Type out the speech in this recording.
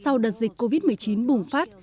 sau đợt dịch covid một mươi chín bùng phát